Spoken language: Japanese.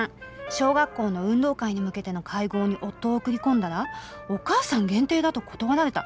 「小学校の運動会に向けての会合に夫を送り込んだらお母さん限定だと断られた」。